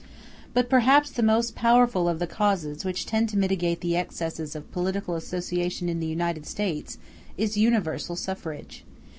But perhaps the most powerful of the causes which tend to mitigate the excesses of political association in the United States is Universal Suffrage.